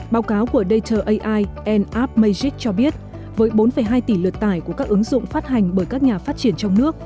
báo cáo của data ai np majik cho biết với bốn hai tỷ lượt tải của các ứng dụng phát hành bởi các nhà phát triển trong nước